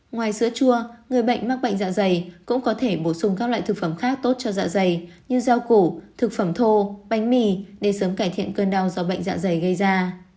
ngoài sữa chua người bệnh mắc bệnh dạ dày cũng có thể bổ sung các loại thực phẩm khác tốt cho dạ dày như rau củ thực phẩm thô bánh mì để sớm cải thiện cơn đau do bệnh dạ dày gây ra